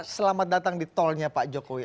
selamat datang di tolnya pak jokowi